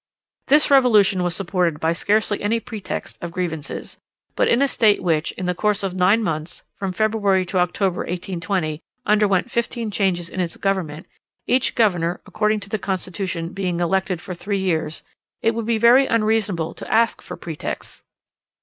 This revolution was supported by scarcely any pretext of grievances: but in a state which, in the course of nine months (from February to October, 1820), underwent fifteen changes in its government each governor, according to the constitution, being elected for three years it would be very unreasonable to ask for pretexts.